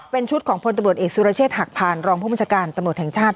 เป็นชุดของพลตำรวจเอกสุรเชษฐหักพานรองผู้บัญชาการตำรวจแห่งชาติ